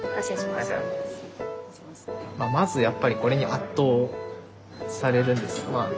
まずやっぱりこれに圧倒されるんです。